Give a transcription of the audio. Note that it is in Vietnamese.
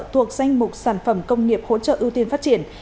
thuộc danh mục sản phẩm công nghiệp hỗ trợ ưu tiên phát triển